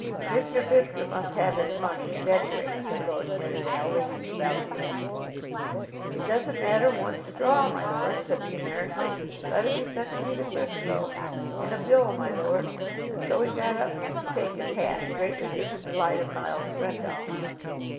"Mr. Fisker must have his money at any rate," said Lord Nidderdale, ringing the bell again. "It doesn't matter one straw, my lord," said the American. "Let it be sent to me to Frisco, in a bill, my lord." And so he got up to take his hat, greatly to the delight of Miles Grendall.